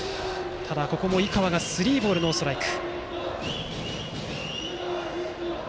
ここも井川がスリーボールノーストライク。